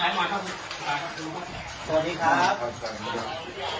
หลงหลงหลงหลงหลงหลงหลง